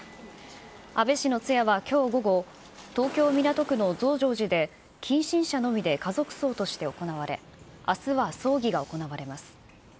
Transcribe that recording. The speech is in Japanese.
安倍氏の通夜はきょう午後、東京・港区の増上寺で近親者のみで家族葬として行われ、あすは葬儀が行われます。